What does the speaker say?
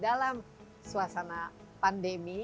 dalam suasana pandemi